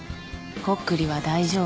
コックリは大丈夫。